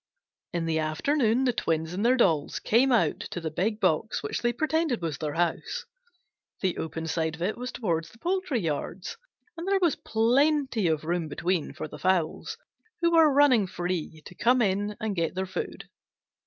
In the afternoon the twins and their dolls came out to the big box which they pretended was their house. The open side of it was toward the poultry yards, and there was plenty of room between for the fowls who were running free to come in and get their food.